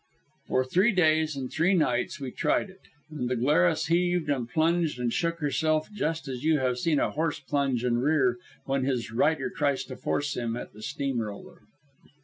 For three days and three nights we tried it. And the Glarus heaved and plunged and shook herself just as you have seen a horse plunge and rear when his rider tries to force him at the steam roller.